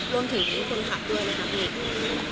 ร่วมถึงคนขับด้วยนะครับ